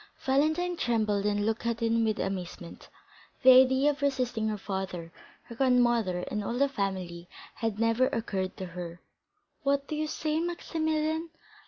Valentine trembled, and looked at him with amazement. The idea of resisting her father, her grandmother, and all the family, had never occurred to her. "What do you say, Maximilian?"